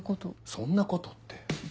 「そんなこと」って。